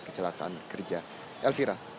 kecelakaan kerja elvira